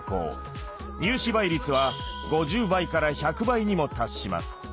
入試倍率は５０倍から１００倍にも達します。